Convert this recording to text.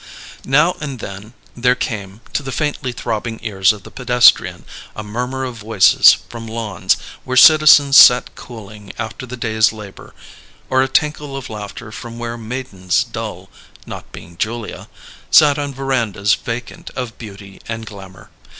Now and then there came to the faintly throbbing ears of the pedestrian a murmur of voices from lawns where citizens sat cooling after the day's labour, or a tinkle of laughter from where maidens dull (not being Julia) sat on verandas vacant of beauty and glamour.